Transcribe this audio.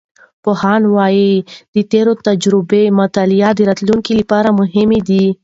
پوهاند وایي، د تیرو تجربو مطالعه د راتلونکي لپاره مهمه ده.